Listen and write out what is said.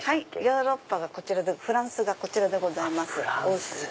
ヨーロッパフランスがこちらでございます。